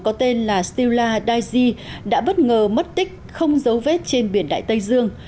có tên là stiula daiji đã bất ngờ mất tích không dấu vết trên biển đại tây dương